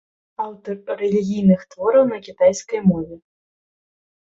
Аўтар рэлігійных твораў на кітайскай мове.